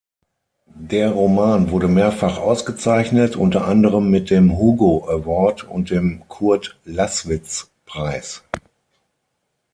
Der Roman wurde mehrfach ausgezeichnet, unter anderem mit dem Hugo Award und dem Kurd-Laßwitz-Preis.